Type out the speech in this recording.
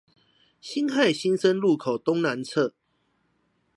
辛亥新生路口東南側